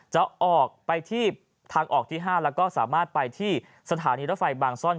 จะออกไปที่ทางออกที่๕แล้วก็สามารถไปที่สถานีรถไฟบางซ่อน